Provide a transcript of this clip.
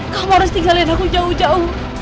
kamu harus tinggalin aku jauh jauh